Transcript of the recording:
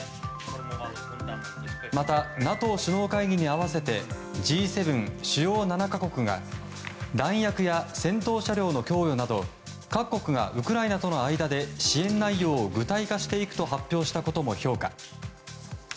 また、ＮＡＴＯ首脳会議に合わせてＧ７・主要７か国が弾薬や戦闘車両の供与など各国がウクライナとの間で支援内容を具体化していくと発表したことも評価。